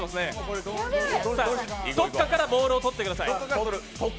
どこかからボールを取ってください。